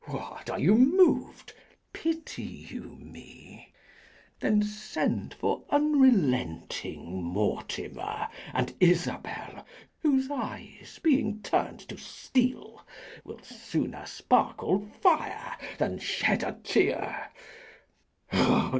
What, are you mov'd? pity you me? Then send for unrelenting Mortimer, And Isabel, whose eyes being turn'd to steel Will sooner sparkle fire than shed a tear.